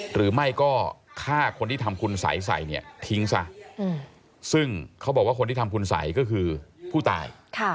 หรือไม่ก็ฆ่าคนที่ทำคุณสัยใส่เนี่ยทิ้งซะซึ่งเขาบอกว่าคนที่ทำคุณสัยก็คือผู้ตาย